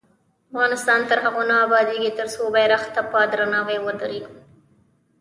افغانستان تر هغو نه ابادیږي، ترڅو بیرغ ته په درناوي ودریږو.